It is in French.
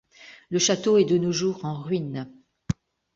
Le château est de nos jours en ruine.